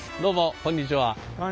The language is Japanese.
こんにちは。